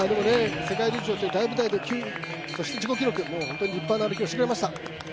世界陸上という大舞台で９位、自己記録、本当に立派な歩きをしてくれました。